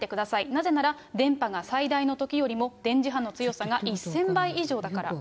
なぜなら電波が最大のときより電磁波の強さが１０００倍以上だから。